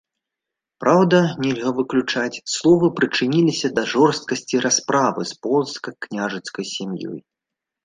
Праўда, нельга выключаць, словы прычыніліся да жорсткасці расправы з полацкай княжацкай сям'ёй.